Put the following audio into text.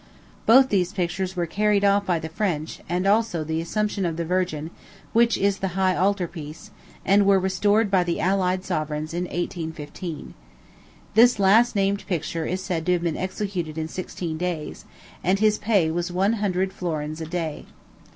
Both these pictures were carried off by the French, and also the Assumption of the Virgin, which is the high altar piece, and were restored by the allied sovereigns in 1815. This last named picture is said to have been executed in sixteen days, and his pay was one hundred florins a day.